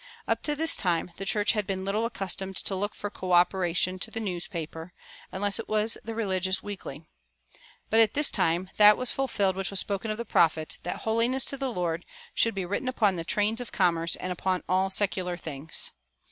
Up to this time the church had been little accustomed to look for coöperation to the newspaper, unless it was the religious weekly. But at this time that was fulfilled which was spoken of the prophet, that "holiness to the Lord" should be written upon the trains of commerce and upon all secular things.